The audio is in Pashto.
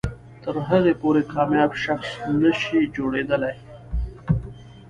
تر هغې پورې کامیاب شخص نه شئ جوړېدلی.